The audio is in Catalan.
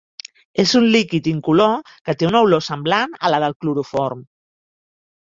És un líquid incolor que té una olor semblant a la del cloroform.